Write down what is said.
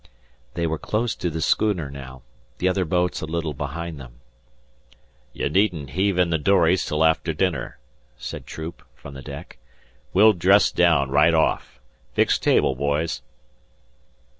They were close to the schooner now, the other boats a little behind them. "You needn't heave in the dories till after dinner," said Troop from the deck. "We'll dress daown right off. Fix table, boys!"